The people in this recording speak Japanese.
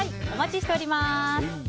お待ちしております。